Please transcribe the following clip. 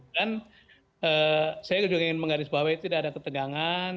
dan saya juga ingin menghariskan bahwa tidak ada ketegangan